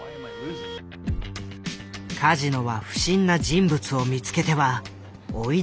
カジノは不審な人物を見つけては追い出していった。